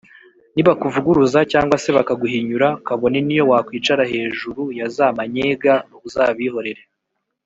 nibakuvuguruza cyangwa se bakaguhinyura, kabone n’iyo wakwicara hejuru ya za manyenga uzabihorere